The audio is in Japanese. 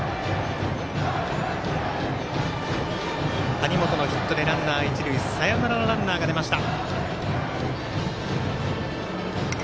谷本のヒットでサヨナラのランナーが出ました。